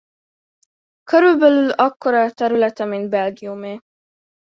Körülbelül akkora a területe mint Belgiumé.